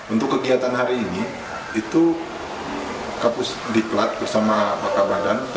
untuk kegiatan hari ini itu kapus diklat bersama pakar badan